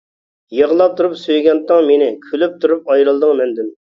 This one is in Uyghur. يىغلاپ تۇرۇپ سۆيگەنتىڭ مېنى، كۈلۈپ تۇرۇپ ئايرىلدىڭ مەندىن.